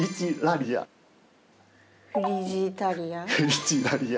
フリチラリア。